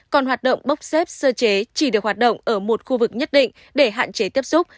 còn hoạt động bốc xếp sơ chế chỉ được hoạt động ở một khu vực nhất định để hạn chế tiếp xúc